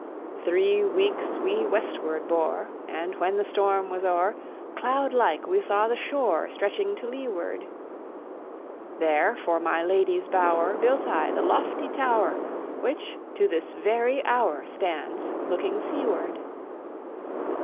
"Three weeks we westward bore, And when the storm was o'er, Cloud like we saw the shore Stretching to leeward; There for my lady's bower Built I the lofty tower Which to this very hour Stands looking seaward.